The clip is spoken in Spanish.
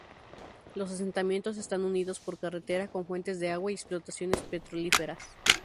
Los asentamientos están unidos por carretera con fuentes de agua y explotaciones petrolíferas.